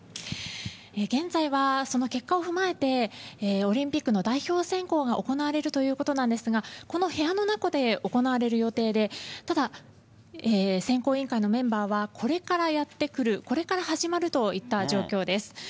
現在はその結果を踏まえてオリンピックの代表選考が行われるということなんですがこの部屋の中で行われる予定でただ、選考委員会のメンバーはこれからやって来るこれから始まるといった状況です。